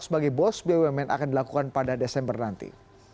sebagai bos bumn akan dilakukan pada desember nanti